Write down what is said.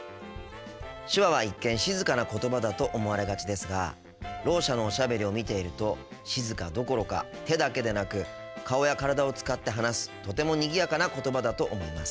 手話は一見静かな言葉だと思われがちですがろう者のおしゃべりを見ていると静かどころか手だけでなく顔や体を使って話すとてもにぎやかな言葉だと思います。